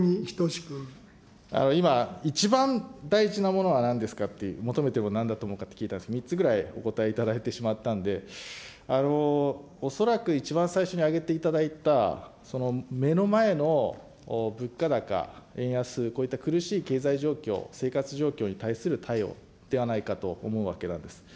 今、一番大事なものはなんですかって、求めてるものなんですかって、３つぐらいお答えいただいてしまったんで、恐らく一番最初に挙げていただいた、目の前の物価高、円安、こういった苦しい経済状況、生活状況に対する対応ではないかと思うわけなんです。